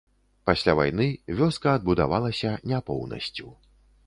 Пасля вайны вёска адбудавалася не поўнасцю.